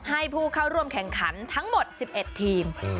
ให้ผู้เข้าร่วมแข่งขันทั้งหมด๑๑ทีม